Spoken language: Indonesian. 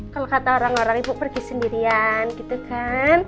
kalau kata orang orang ibu pergi sendirian gitu kan